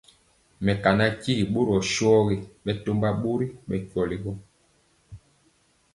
Mekana tyigi borɔ shɔgi bɛtɔmba bori bɛ kweli.